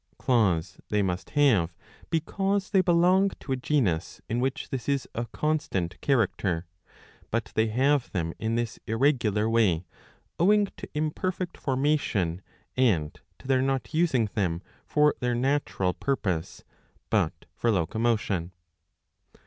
^'' Claws they must have, because they belong to a genus in which this is a constant character ;^^ 684 a. 112 iv, 8 — iv. 9. but they have them in this irregular way, owing to imperfect formation and to their not using them for their natural purpose, but for locomotion.